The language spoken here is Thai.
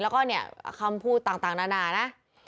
แล้วก็คำพูดต่างนานานะ